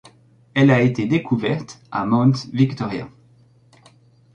Elle a été découverte à Mount Victoria.